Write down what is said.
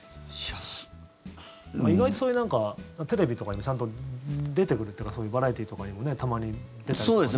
意外と、そういうテレビとかにもちゃんと出てくるっていうかバラエティーとかにもたまに出たりとかね。